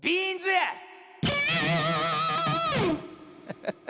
アハハハ！